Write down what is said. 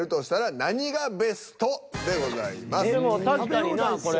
でも確かになぁこれ。